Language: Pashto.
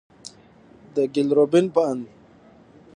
د ګيل روبين په اند،